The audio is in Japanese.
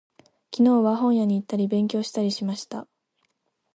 昨日は、本屋に行ったり、勉強したりしました。